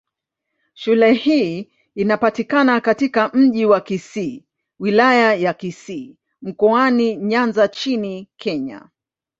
Shule hii inapatikana katika Mji wa Kisii, Wilaya ya Kisii, Mkoani Nyanza nchini Kenya.